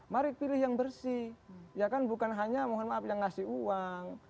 mari pilih yang bersih ya kan bukan hanya mohon maaf yang ngasih uang